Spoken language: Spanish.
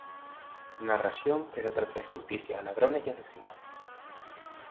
Narración que se trata de justicia, ladrones y asesinos.